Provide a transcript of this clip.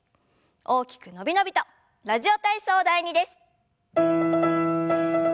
大きく伸び伸びと「ラジオ体操第２」です。